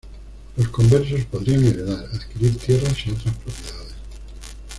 Los conversos podrían heredar, adquirir tierras y otras propiedades.